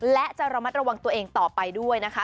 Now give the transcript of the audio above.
และจะระมัดระวังตัวเองต่อไปด้วยนะคะ